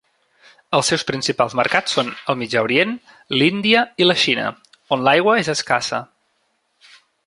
Els seus principals mercats són el Mitjà Orient, l'Índia i la Xina, on l'aigua és escassa.